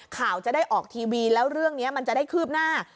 ข่าวจะได้ออกทีวีแล้วเรื่องนี้มันจะได้คืบหน้า